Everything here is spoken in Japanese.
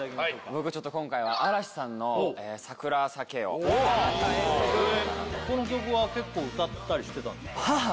僕ちょっと今回は嵐さんの「サクラ咲ケ」を歌わせてもらおうかなとこの曲は結構歌ったりしてたんですか？